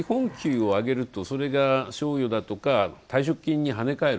基本給を上げると、それが賞与だとか、退職金に跳ね返る。